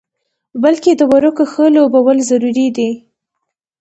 بلکې د ورقو ښه لوبول ضروري دي.